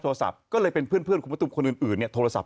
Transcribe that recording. โทรศัพท์ก็เลยเป็นเพื่อนคุณมะตูมคนอื่นอืนเนี่ยโทรศัพท์